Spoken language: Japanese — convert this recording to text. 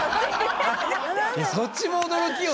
そっちも驚きよね。